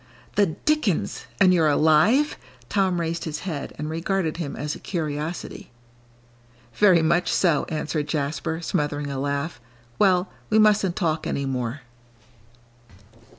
"The dickens! And you're alive!" Tom raised his head and regarded him as a curiosity. "Very much so," answered Jasper, smothering a laugh; "well, we mustn't talk any more."